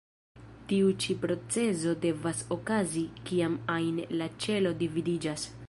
Tiu ĉi procezo devas okazi kiam ajn la ĉelo dividiĝas.